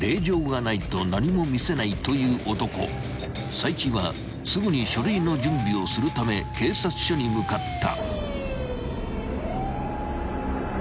［齋木はすぐに書類の準備をするため警察署に向かった］